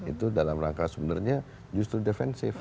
itu dalam rangka sebenarnya justru defensif